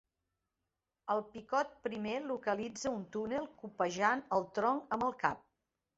El picot primer localitza un túnel copejant el tronc amb el cap.